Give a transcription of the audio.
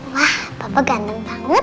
wah bapak ganteng banget